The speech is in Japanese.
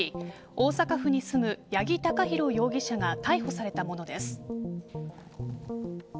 大阪府に住む八木貴寛容疑者が逮捕されたものです。